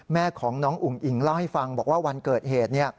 แม่ของน้องอุ๋งอิ๋งเล่าให้ฟังบอกว่าวันเกิดเหตุ